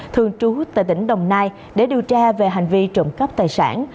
thường trú tại tỉnh đồng nai để điều tra về hành vi trộm cắp tài sản